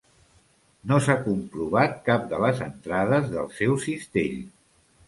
No s'ha comprovat cap de les entrades del seu cistell.